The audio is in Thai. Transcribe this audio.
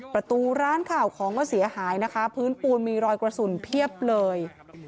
ประตูร้านข่าวของก็เสียหายนะคะพื้นปูนมีรอยกระสุนเพียบเลย